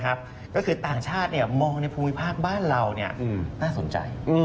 ก็คือต่างชาติมองในภูมิภาคบ้านเราน่าสนใจ